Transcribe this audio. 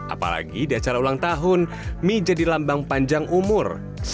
apalagi di acara ulang tahun mie jadi lambang panjang umur